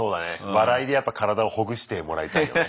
笑いでやっぱ体をほぐしてもらいたいよね。